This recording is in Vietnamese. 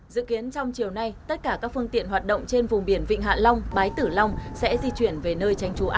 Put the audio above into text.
dự kiến trong chiều nay tất cả các phương tiện hoạt động trên vùng biển vịnh hạ long bái tử long sẽ di chuyển về nơi tranh trú an toàn